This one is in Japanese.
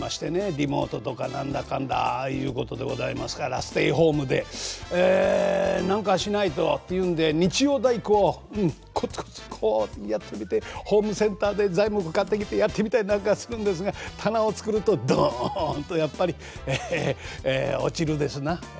リモートとか何だかんだああいうことでございますからステイホームで何かしないとっていうんで日曜大工をうんコツコツこうやってみてホームセンターで材木買ってきてやってみたりなんかするんですが棚を作るとドンとやっぱり落ちるですな。